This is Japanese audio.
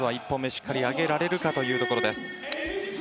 まずは１本目をしっかり上げられるかというところです。